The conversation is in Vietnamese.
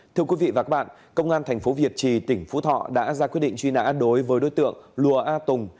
thưa quý vị và các bạn công an thành phố việt trì tỉnh phú thọ đã ra quyết định truy nã đối với đối tượng lùa a tùng